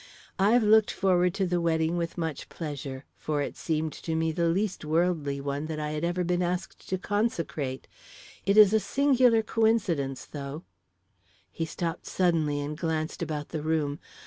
I've looked forward to the wedding with much pleasure, for it seemed to me the least worldly one that I had ever been asked to consecrate. It is a singular coincidence, though " He stopped suddenly and glanced about the room.